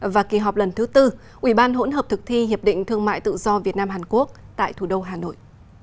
và kỳ họp lần thứ bốn ubh thực thi hiệp định thương mại tự do việt nam hàn quốc tại thủ đô hà nội